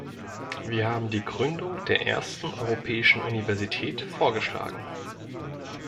Wir haben die Gründung der ersten europäischen Universität vorgeschlagen.